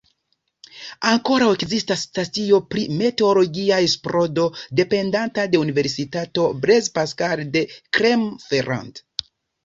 Ankoraŭ ekzistas stacio pri meteologia esploro dependanta de universitato Blaise Pascal de Clermont-Ferrand.